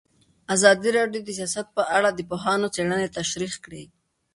ازادي راډیو د سیاست په اړه د پوهانو څېړنې تشریح کړې.